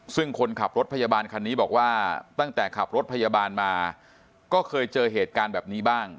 ซึ่งคนขับรถพยาบาลคันนี้บอกว่าตั้งแต่ขับรถพยาบาลมาก็เคยเจอเหตุการณ์แบบนี้บ้าง